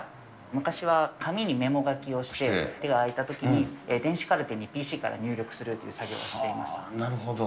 昔は紙にメモ書きをして、手が空いたときに電子カルテにＰＣから入力するという作業していなるほど。